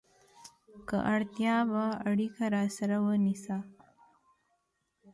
که اړتیا وه، اړیکه راسره ونیسه!